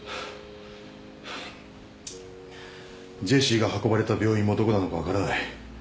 ジェシーが運ばれた病院もどこなのか分からない。